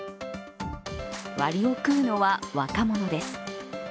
割を食うのは若者です。